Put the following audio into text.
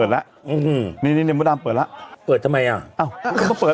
เหมือนทำไม